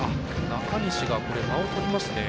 中西が間をとりますね。